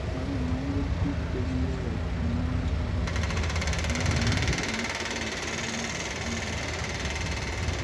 ngo nemaingen tuguk chegiyeyak eng Molo ako olengumone kenyit elbushek aeng ak taman aktisap